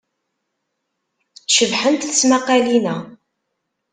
Cebḥent tesmaqqalin-a.